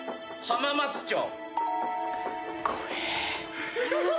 浜松町。